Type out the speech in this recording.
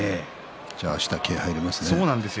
じゃあ、明日気合いが入りますね。